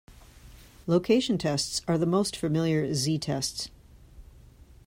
Location tests are the most familiar "Z"-tests.